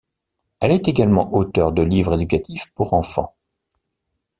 Elle est également auteur de livres éducatifs pour enfants.